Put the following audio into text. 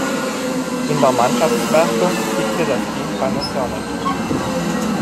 In der Mannschaftswertung siegte das Team Panasonic.